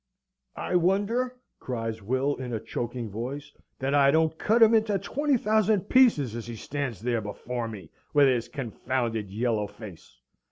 "I wonder," cries Will, in a choking voice, "that I don't cut him into twenty thousand pieces as he stands there before me with his confounded yellow face.